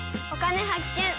「お金発見」。